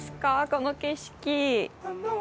この景色。